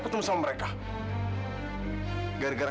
tuh mati kan teleponnya